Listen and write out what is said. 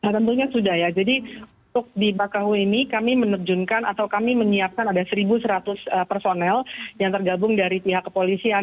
tentunya sudah ya jadi untuk di bakahu ini kami menerjunkan atau kami menyiapkan ada satu seratus personel yang tergabung dari pihak kepolisian